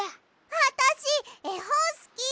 あたしえほんすき！